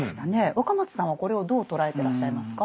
若松さんはこれをどう捉えてらっしゃいますか？